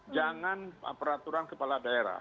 jangan peraturan kepala daerah